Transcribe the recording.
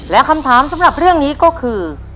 และคำถามสำหรับเรื่องนี้ก็คือ